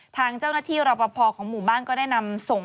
ทางเจ้าหน้าที่รอปภของหมู่บ้านก็ได้นำส่ง